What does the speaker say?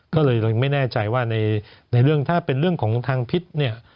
ก็เลยไม่แน่ใจว่าในเรื่องถ้าเป็นเรื่องของทางพิษเนี่ย